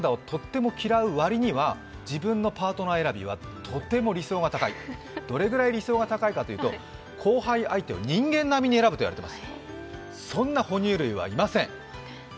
他のパンダをとても嫌うわりには自分のパートナー選びはとても理想が高いどれぐらい理想が高いかというと交配相手を人間並みに選ぶといわれています。